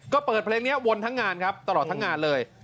ก็เปิดเพลงนี้วนทั้งงานครับตลอดทั้งงานเลย